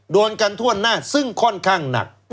โดนกันทั่วหน้าซึ่งค่อนข้างหนัก